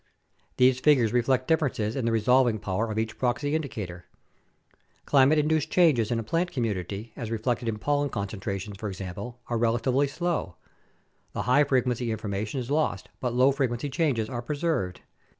These figures reflect differences in the resolving power of each proxy indicator. Climate induced changes in a plant community as reflected in pollen concentra tions, for example, are relatively slow; the high frequency information is lost, but low frequency changes are preserved.